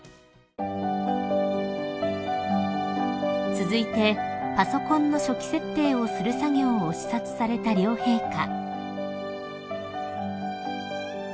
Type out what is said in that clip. ［続いてパソコンの初期設定をする作業を視察された両陛下］